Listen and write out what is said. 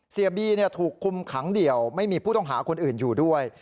เสียบีถูกคุมขังเดี่ยวไม่มีผู้ต้องหาคนอื่นอยู่ด้วย